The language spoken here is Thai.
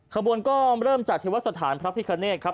ขบวนก็เริ่มจากเทวสถานพระพิคเนธครับ